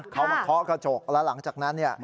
เขามาเคาะกระจกแล้วหลังจากนั้น